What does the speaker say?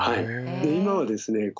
今はですね